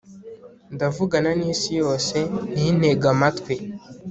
Ndavugana nisi yose nintege amatwi